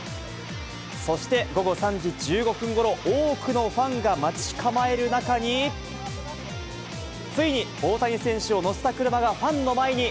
そして午後３時１５分ごろ、多くのファンが待ち構える中に、ついに大谷選手を乗せた車がファンの前に。